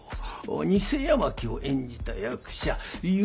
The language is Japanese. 偽八巻を演じた役者由